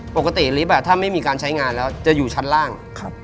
ปกติลิฟต์ถ้าไม่มีการใช้งานแล้วจะอยู่ชั้นล่าง